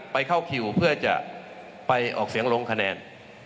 เข้าคิวเพื่อจะไปออกเสียงลงคะแนน